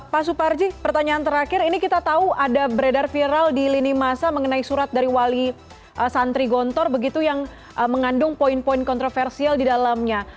pak suparji pertanyaan terakhir ini kita tahu ada beredar viral di lini masa mengenai surat dari wali santri gontor begitu yang mengandung poin poin kontroversial di dalamnya